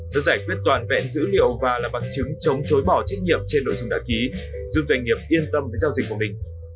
nó giải quyết toàn vẹn dữ liệu và là bằng chứng chống chối bỏ trách nhiệm trên nội dung đã ký giúp doanh nghiệp yên tâm với giao dịch của mình